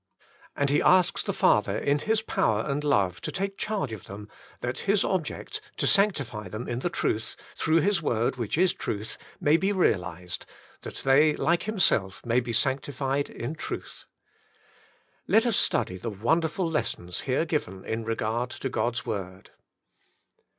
And He asks the Father in His power and love to take charge of them, that His object — to sanctify them in the truth, through His word which is truth — may be realised, that they, like Himself, may be sanctified in truth. Let us study the wonderful lessons here given in regard to God's word.